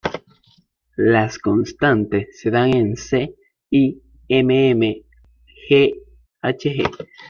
Las constantes se dan en °C y mmHg.